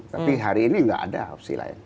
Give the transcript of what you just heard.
tapi hari ini nggak ada opsi lain